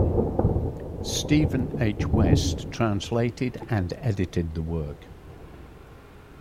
Stephen H. West translated and edited the work.